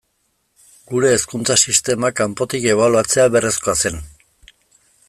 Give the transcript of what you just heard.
Gure hezkuntza sistema kanpotik ebaluatzea beharrezkoa zen.